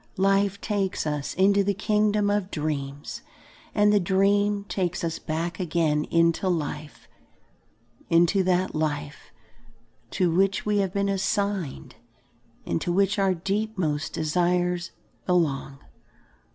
Life takes us into the kingdom of dreams, and the dream takes us back again into life, into that life to which we have been assigned and to which our deepmost desires belong.